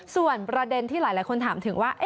ส่วนประเด็นที่หลายคนถามถึงว่า